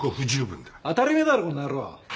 当たり前だろこの野郎！